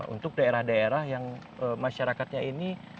untuk daerah daerah yang masyarakatnya ini